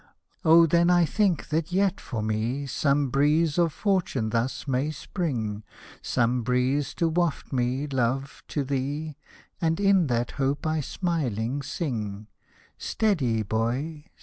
Oh ! then I think that yet for me Some breeze of fortune thus may spring, Some breeze to waft me, love, to thee — And in that hope I smiling sing, Steady, boy